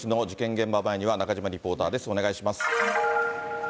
現場前には中島リポーターです、お願いします。